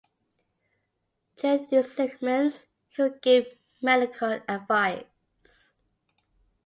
During these segments he would give medical advice.